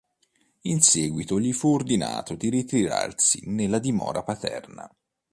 In seguito gli fu ordinato di ritirarsi nella dimora paterna.